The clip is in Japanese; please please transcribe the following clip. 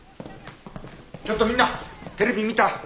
ちょっとみんなテレビ見た？